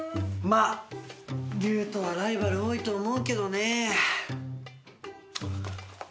まあ龍斗はライバル多いと思うけどね。